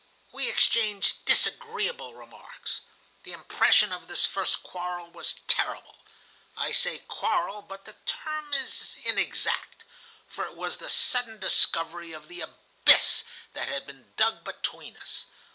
We exchanged disagreeable remarks. The impression of this first quarrel was terrible. I say quarrel, but the term is inexact. It was the sudden discovery of the abyss that had been dug between us.